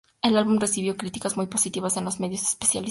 El álbum recibió críticas muy positivas en los medios especializados.